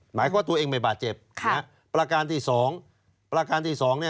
หมายความว่าตัวเองไม่บาดเจ็บปราการที่สอง